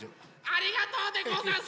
ありがとうでござんす！